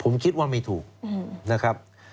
ผมคิดว่าไม่ถูกนะครับ